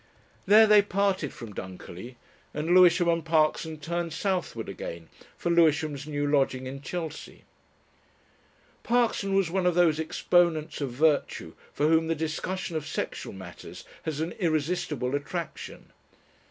There they parted from Dunkerley, and Lewisham and Parkson turned southward again for Lewisham's new lodging in Chelsea. Parkson was one of those exponents of virtue for whom the discussion of sexual matters has an irresistible attraction.